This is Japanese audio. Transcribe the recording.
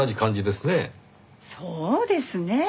そうですね。